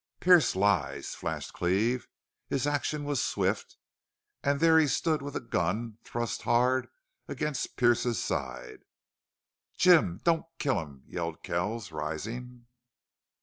"Pearce lies!" flashed Cleve. His action was as swift. And there he stood with a gun thrust hard against Pearce's side. "JIM! Don't kill him!" yelled Kells, rising.